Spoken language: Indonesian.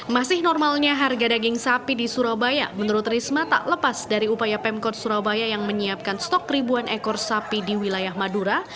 masih normalnya harga daging sapi di surabaya menurut risma tak lepas dari upaya pemkot surabaya yang menyiapkan stok ribuan ekor sapi di wilayah madura